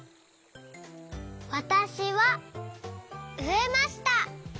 わたしはうえました。